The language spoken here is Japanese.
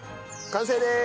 完成です！